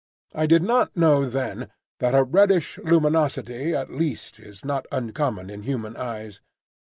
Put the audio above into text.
I did not know then that a reddish luminosity, at least, is not uncommon in human eyes.